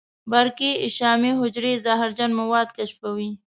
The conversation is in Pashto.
برقي شامي حجرې زهرجن مواد کشفوي.